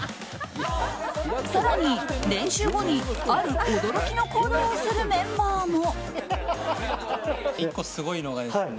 更に、練習後にある驚きの行動をするメンバーも。